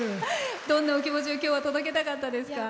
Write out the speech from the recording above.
どんなお気持ちを今日は届けたかったですか？